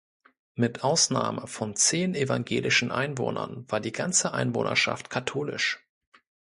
Mit Ausnahme von zehn evangelischen Einwohnern war die ganze Einwohnerschaft katholisch.